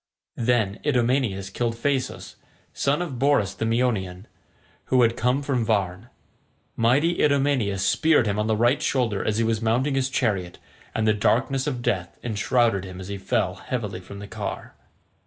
Then Idomeneus killed Phaesus, son of Borus the Meonian, who had come from Varne. Mighty Idomeneus speared him on the right shoulder as he was mounting his chariot, and the darkness of death enshrouded him as he fell heavily from the car.